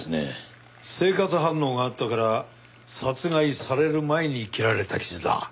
生活反応があったから殺害される前に切られた傷だ。